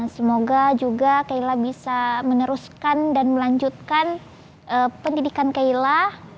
semoga juga kaila bisa meneruskan dan melanjutkan pendidikan kaila